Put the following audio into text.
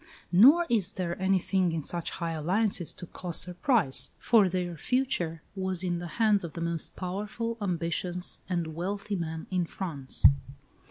Nor is there anything in such high alliances to cause surprise; for their future was in the hands of the most powerful, ambitious, and wealthy man in France.